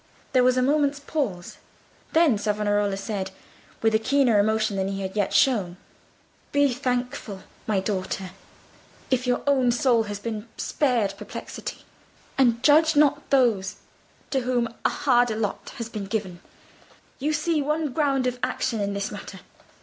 There was a moment's pause. Then Savonarola said, with keener emotion than he had yet shown— "Be thankful, my daughter, if your own soul has been spared perplexity; and judge not those to whom a harder lot has been given. You see one ground of action in this matter.